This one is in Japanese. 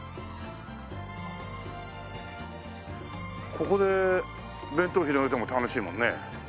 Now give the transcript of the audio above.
ここで弁当広げても楽しいもんね。